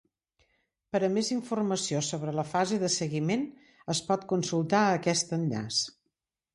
Per a més informació sobre la fase de seguiment es pot consultar aquest enllaç.